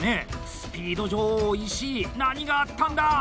スピード女王、石井何があったんだ！？